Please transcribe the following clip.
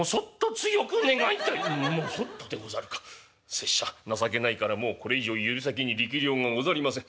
拙者情けないからもうこれ以上指先に力量がござりません。